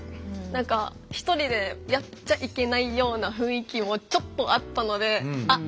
何か１人でやっちゃいけないような雰囲気もちょっとあったのであっ